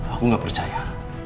aku gak percaya